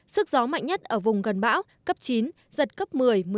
sức gió mạnh nhất ở vùng gần bão cấp chín giật cấp một mươi một mươi một